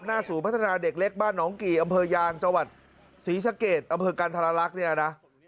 หน้าศูนย์พัฒนาเด็กเล็กบ้านหนองกี่อำเภวยางจศรีชะเกตอำเภอกันทรลักษณ์